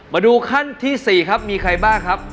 มาดูขั้นที่๔ครับมีใครบ้างครับ